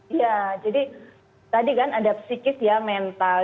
iya jadi tadi kan ada psikis ya mental